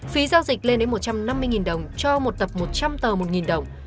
phí giao dịch lên đến một trăm năm mươi đồng cho một tập một trăm linh tờ một đồng